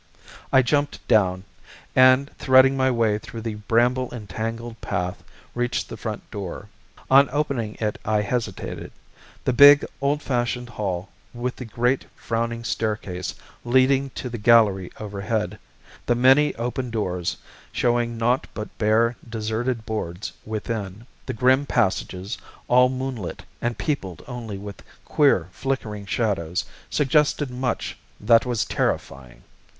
I jumped down, and threading my way along the bramble entangled path, reached the front door. On opening it, I hesitated. The big, old fashioned hall, with the great, frowning staircase leading to the gallery overhead, the many open doors showing nought but bare, deserted boards within, the grim passages, all moonlit and peopled only with queer flickering shadows, suggested much that was terrifying.